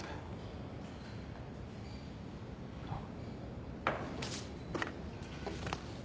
あっ。